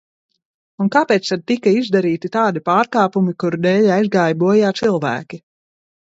Un kāpēc tad tika izdarīti tādi pārkāpumi, kuru dēļ aizgāja bojā cilvēki?